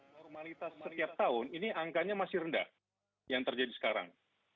normalitas setiap tahun ini angkanya masih rendah yang terjadi sekarang